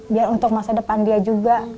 biar untuk masa depan dia juga